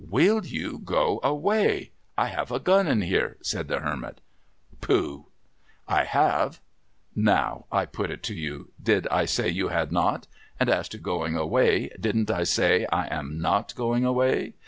' A\'ill you go away ? I have a gun in here,' said the Hermit. ' Pooh !'' I have !' 'Now, I put it to you. Did I say you had not? And as to going away, didn't I say I am not going away